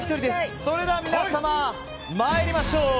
それでは皆様、参りましょう。